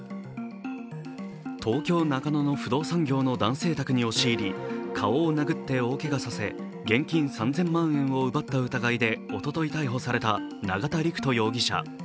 東京・中野の不動産業の男性宅に押し入り、顔を殴って大けがさせ現金３０００万円を奪った疑いでおととい逮捕された永田陸人容疑者。